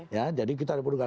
ya jadi kita ada penugasan